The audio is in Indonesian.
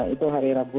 itu hari rabu